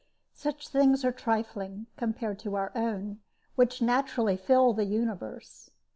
Such things are trifling, compared to our own, which naturally fill the universe.